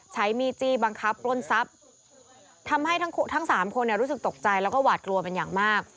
ใช้มีดจี้บังคับปล้นทรัพย์ทำให้ทั้งสามคนรู้สึกตกใจแล้วก็หวาดกลัวเป็นอย่างมาก